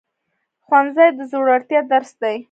ښوونځی د زړورتیا درس دی